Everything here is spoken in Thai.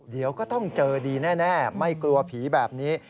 เดี๋ยวก็ต้องเจอดีแน่ไม่กลัวผีแบบนี้